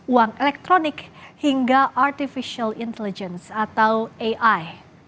uang elektronik hingga artificial intelligence atau ai